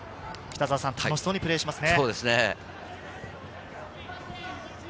楽しそうにプレーしていますね。